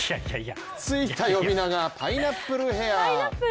ついた呼び名がパイナップルヘア。